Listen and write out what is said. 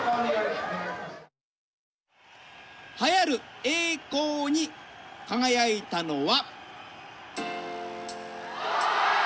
栄えある栄光に輝いたのは。